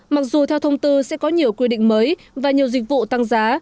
mặc dù theo thông tư sẽ có nhiều quy định mới và nhiều dịch vụ tăng giá